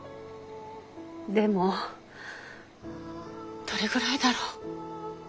でもどれぐらいだろう。